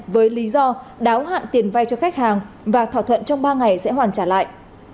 với lý do đáo hạn tiền vay cho khách hàng và thỏa thuận trong ba ngày sẽ hoàn trả lại